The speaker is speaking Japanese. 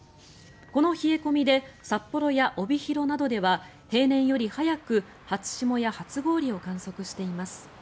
この冷え込みで札幌や帯広などでは平年より早く初霜や初氷を観測しています。